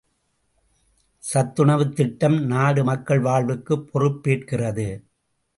சத்துணவுத் திட்டம் நாடு மக்கள் வாழ்வுக்குப் பொறுப்பேற்கிறது.